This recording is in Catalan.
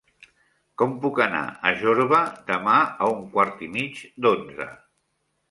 Com puc anar a Jorba demà a un quart i mig d'onze?